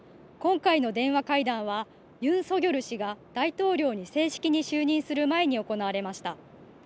今回の電話会談はユン・ソギョル氏が大統領に正式に就任する前に行われました。